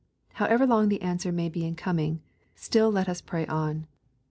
However long the answer may be in coming, still lot us pray on.